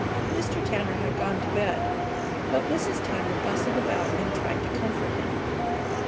Mr. Tanner had gone to bed, but Mrs. Tanner bustled about and tried to comfort him.